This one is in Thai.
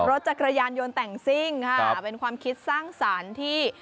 รถจักรยานยนต์แต่งซิ่งค่ะเป็นความคิดสร้างสรรค์ที่